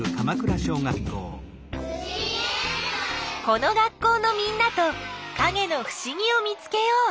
この学校のみんなとかげのふしぎを見つけよう！